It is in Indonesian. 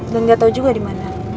dan nggak tahu juga di mana